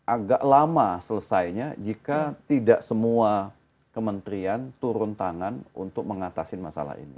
agak lama selesainya jika tidak semua kementerian turun tangan untuk mengatasi masalah ini